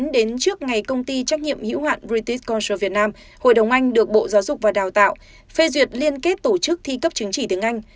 tổ chức ngày công ty trách nhiệm hiếu hoạn british cultural vietnam hội đồng anh được bộ giáo dục và đào tạo phê duyệt liên kết tổ chức thi cấp chứng chỉ tiếng anh